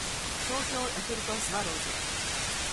東京ヤクルトスワローズ